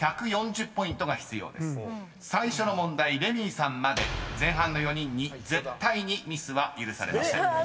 ［最初の問題レミイさんまで前半の４人に絶対にミスは許されません］